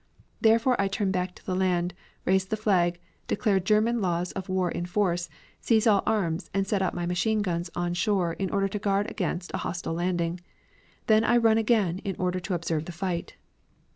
Therefore I turn back to land, raise the flag, declare German laws of war in force, seize all arms, set out my machine guns on shore in order to guard against a hostile landing. Then I run again in order to observe the fight."